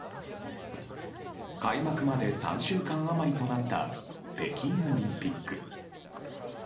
開幕まで３週間余りとなった北京オリンピック。